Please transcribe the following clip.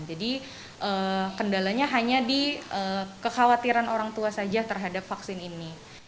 jadi kendalanya hanya di kekhawatiran orang tua saja terhadap vaksin ini